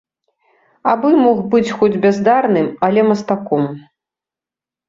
А бы мог быць хоць бяздарным, але мастаком.